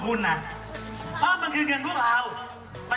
เพราะมันคือเงินพวกเรามันคือเงินภาษีพวกเราตรงนั้นแหละ